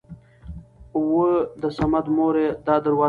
اوو د صمد مورې دا دروازه چا ټکوله!!